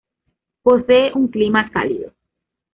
Posee un clima cálido.